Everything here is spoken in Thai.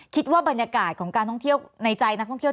คิดว่าบรรยากาศของการท่องเที่ยวในใจนักท่องเที่ยว